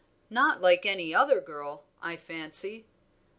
Not like any other girl, I fancy."